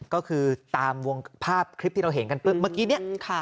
ก็คือตามวงภาพคลิปที่เราเห็นกันปุ๊บเมื่อกี้เนี่ย